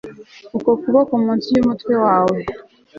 uku kuboko munsi yumutwe wawe